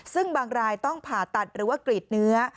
ซึ่งบางรายต้องผ่าตัดหรือว่ากรีดเนื้อ